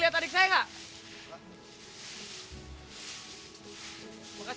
liat adik saya gak